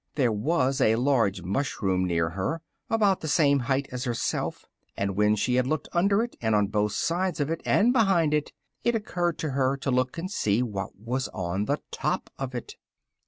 There was a large mushroom near her, about the same height as herself, and when she had looked under it, and on both sides of it, and behind it, it occurred to her to look and see what was on the top of it.